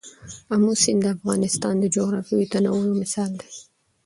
آمو سیند د افغانستان د جغرافیوي تنوع یو مثال دی.